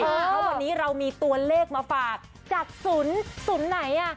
แล้ววันนี้เรามีตัวเลขมาฝากจากศุนย์ศุนย์ไหน